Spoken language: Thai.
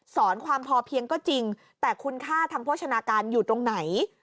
สอนความพอเพียงก็จริงแต่คุณค่าทางโภชนาการอยู่ตรงไหน